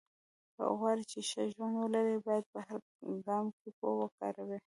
که غواړې چې ښه ژوند ولرې، باید په هر ګام کې پوهه وکاروې.